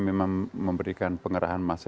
memang memberikan pengerahan massa